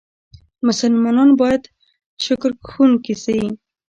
مسلمانان بايد شکرکښونکي سي.